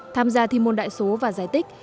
tham gia thi môn đại số và giải tích